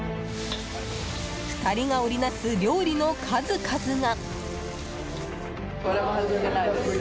２人が織り成す料理の数々が。